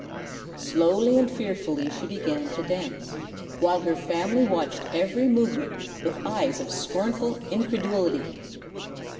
Slowly and fearfully she began to dance, while her family watched every movement with eyes of scornful incredulity.